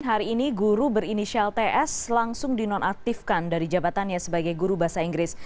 hari ini guru berinisial ts langsung dinonaktifkan dari jabatannya sebagai guru bahasa inggris